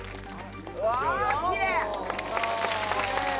うわぁきれい！